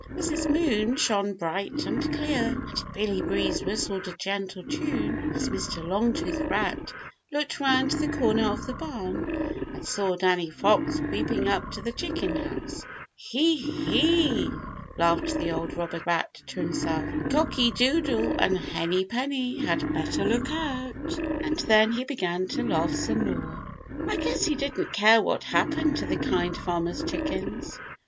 Mrs. Moon shone bright and clear and Billy Breeze whistled a gentle tune as Mr. Longtooth Rat looked around the corner of the barn and saw Danny Fox creeping up to the chicken house. "He, he!" laughed the old robber rat to himself, "Cocky Doodle and Henny Penny had better look out." And then he began to laugh some more. I guess he didn't care what happened to the Kind Farmer's chickens.